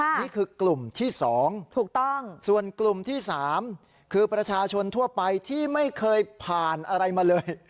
นี่คือกลุ่มที่๒ถูกต้องส่วนกลุ่มที่๓คือประชาชนทั่วไปที่ไม่เคยผ่านอะไรมาเลย